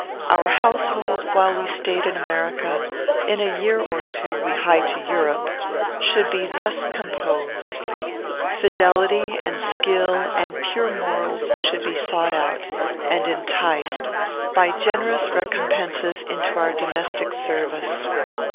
Our household, while we stayed in America, in a year or two we hie to Europe, should be thus composed. Fidelity, and skill, and pure morals, should be sought out, and enticed, by generous recompenses, into our domestic service.